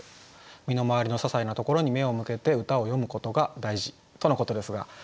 身の回りのささいなところに目を向けて歌を詠むことが大事とのことですが吉川さん